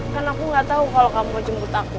kan aku gak tahu kalau kamu mau jemput aku